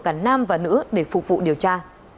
cả nam và nữ để phục vụ điều tra